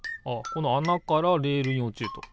このあなからレールにおちると。